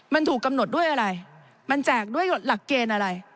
มันถูกกำหนดด้วยอะไรมันแจกด้วยหลักเกณฑ์อะไร